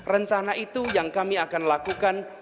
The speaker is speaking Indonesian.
rencana itu yang kami akan lakukan